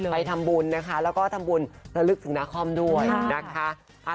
ไปทำบุญนะคะแล้วก็ทำบุญระลึกถึงนาคอมด้วยนะคะ